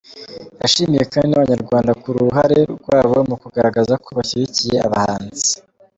Yashimiye kandi n’Abanyarwanda ku ruhare rwabo mu kugaragaza ko bashyigikiye abahanzi.